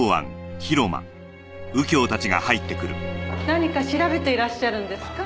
何か調べていらっしゃるんですか？